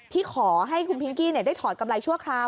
ที่ขอให้คุณพิงกี้ได้ถอดกำไรชั่วคราว